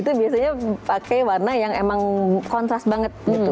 itu biasanya pakai warna yang emang kontras banget gitu